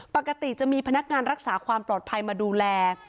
ปกติจะมีพนักงานรักษาความปลอดภัยมาดูแล